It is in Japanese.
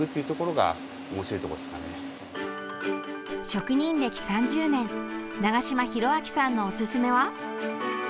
職人歴３０年長島弘明さんのおすすめは。